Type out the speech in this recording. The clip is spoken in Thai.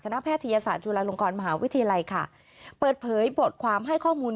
แพทยศาสตร์จุฬาลงกรมหาวิทยาลัยค่ะเปิดเผยบทความให้ข้อมูล